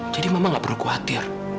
jadi mama gak perlu khawatir